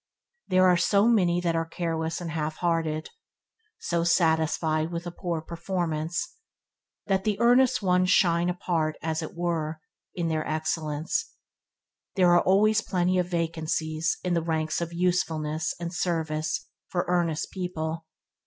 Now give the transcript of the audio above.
They are so many that are careless and half hearted, so satisfied with a poor performance, that the earnest ones shine apart as it were, in their excellence. They are always plenty of "vacancies" in the ranks of usefulness and service for earnest people.